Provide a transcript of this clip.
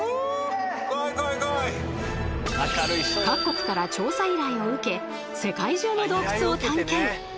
各国から調査依頼を受け世界中の洞窟を探検！